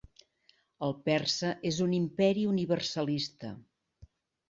El persa és un imperi universalista.